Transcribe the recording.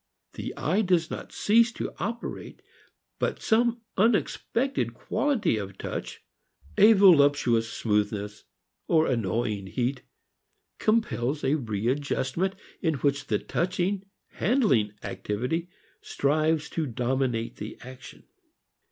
The eye does not cease to operate but some unexpected quality of touch, a voluptuous smoothness or annoying heat, compels a readjustment in which the touching, handling activity strives to dominate the action.